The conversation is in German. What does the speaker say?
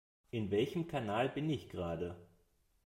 In welchem Kanal bin ich gerade?